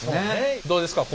どうですか？